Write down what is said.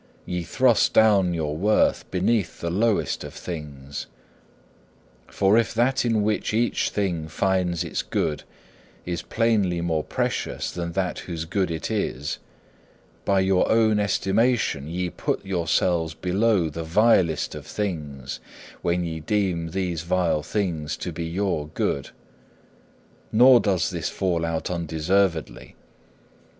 Ye thrust down your worth beneath the lowest of things. For if that in which each thing finds its good is plainly more precious than that whose good it is, by your own estimation ye put yourselves below the vilest of things, when ye deem these vile things to be your good: nor does this fall out undeservedly.